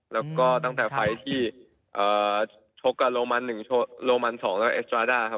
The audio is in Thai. แล้วก็ตั้งแต่ไฟล์ที่เอ่อชกกับโรมันหนึ่งโรมันสองแล้วก็เอสตราด้าครับ